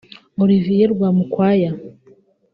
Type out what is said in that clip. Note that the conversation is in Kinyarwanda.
Olivier Rwamukwaya